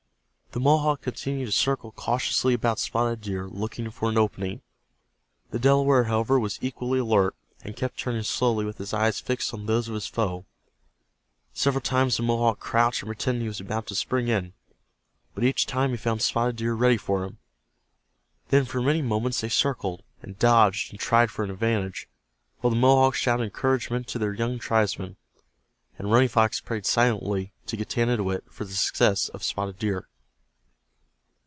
The Mohawk continued to circle cautiously about Spotted Deer, looking for an opening. The Delaware, however, was equally alert, and kept turning slowly with his eyes fixed on those of his foe. Several times the Mohawk crouched and pretended he was about to spring in, but each time he found Spotted Deer ready for him. Then for many moments they circled, and dodged, and tried for an advantage, while the Mohawks shouted encouragement to their young tribesman, and Running Fox prayed silently to Getanittowit for the success of Spotted Deer.